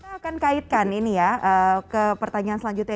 saya akan kaitkan ini ya ke pertanyaan selanjutnya